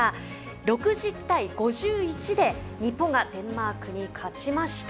６０対５１で日本がデンマークに勝ちました。